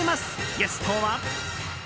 ゲストは。